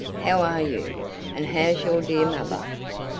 How are you? And how's your dear mother?"